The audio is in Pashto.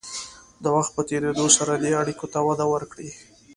د وخت په تېرېدو سره دې اړیکو ته وده ورکړئ.